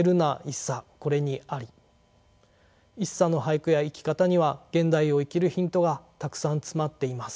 一茶の俳句や生き方には現代を生きるヒントがたくさん詰まっています。